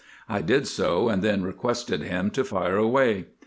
I did so, and then requested him to fire away.